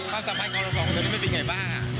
ความสัมพันธ์ของเราสองคนจะได้มีเป็นยังไงบ้าง